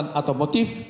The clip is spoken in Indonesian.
dan alasan atau motif